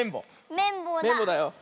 めんぼうだよ。